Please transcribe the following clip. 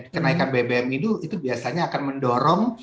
kenaikan bbm itu biasanya akan mendorong